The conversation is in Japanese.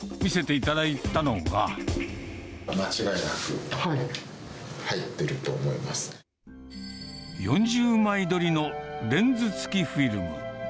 間違いなく入ってると思いま４０枚撮りのレンズ付きフィルム。